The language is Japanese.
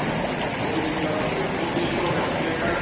大雪などによる交通障害に警戒。